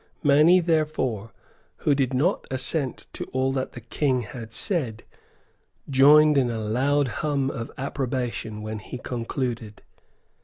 Many, therefore, who did not assent to all that the King had said, joined in a loud hum of approbation when he concluded.